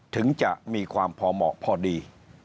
ถึงจะมีความพอเหมาะพอดี